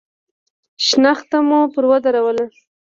شنخته مو پر ودروله.